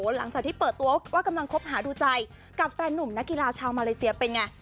หลังจากที่เปิดตัวว่ากำลังคบหาดูใจกับแฟนหนุ่มนักกีฬาชาวมาเลเซียเป็นไง